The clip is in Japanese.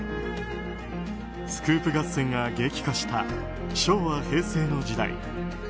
スクープ合戦が激化した昭和、平成の時代。